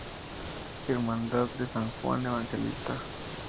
Hermandad de San Juan Evangelista.